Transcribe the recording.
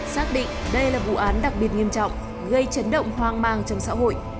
xác định đây là vụ án đặc biệt nghiêm trọng gây chấn động hoang mang trong xã hội